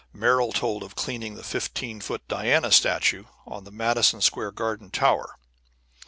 Merrill told of cleaning the fifteen foot Diana statue on the Madison Square Garden tower.